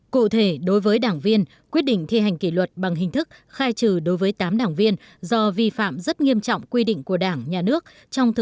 cụ thể đối với đảng viên quyết định thi hành kỷ luật bằng hình thức khai trừ đối với tám đảng viên do vi phạm rất nghiêm trọng quy luật